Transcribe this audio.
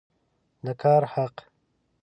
د کار حق